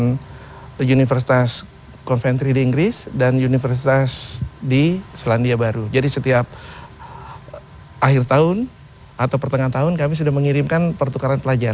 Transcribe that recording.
sudah mengirimkan pertukaran pelajaran dengan universitas konventri di inggris dan universitas di selandia baru jadi setiap akhir tahun atau pertengahan tahun kami sudah mengirimkan pertukaran pelajaran